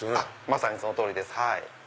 まさにその通りです。